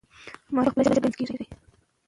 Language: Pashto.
ماشوم په خپله ژبه نه ګنګس کېږي.